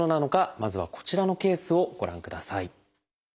まずはこちらのケースをご覧ください。